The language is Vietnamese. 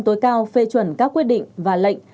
tối cao phê chuẩn các quyết định và lệnh